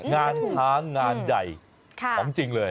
งานช้างงานใหญ่ของจริงเลย